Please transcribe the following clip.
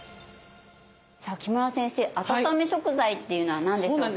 さあ木村先生温め食材っていうのは何でしょうか？